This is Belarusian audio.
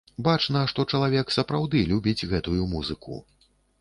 Бачна, што чалавек сапраўды любіць гэтую музыку.